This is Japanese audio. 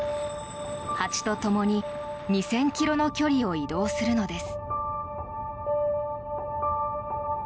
蜂とともに２０００ｋｍの距離を移動するのです。